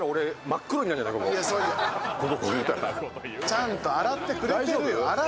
ちゃんと洗ってくれてるよ。